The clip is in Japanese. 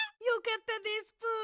よかったですぷ！